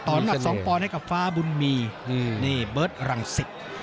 ตอนนั้นสองปอนด์ให้กับฟ้าบุญมีนี่เบิร์ตรังศิษย์